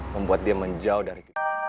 membuat dia menjauh dari